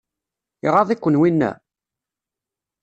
Iɣaḍ-iken winna?